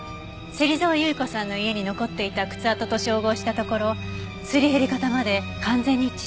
芹沢結子さんの家に残っていた靴跡と照合したところすり減り方まで完全に一致しました。